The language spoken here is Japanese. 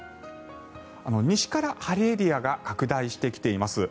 西から晴れエリアが拡大してきています。